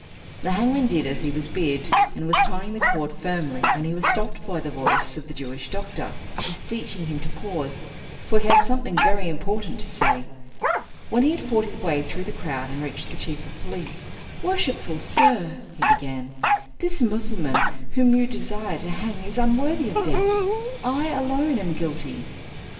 The hangman did as he was bid, and was tying the cord firmly, when he was stopped by the voice of the Jewish doctor beseeching him to pause, for he had something very important to say. When he had fought his way through the crowd and reached the chief of police, "Worshipful sir," he began, "this Mussulman whom you desire to hang is unworthy of death; I alone am guilty.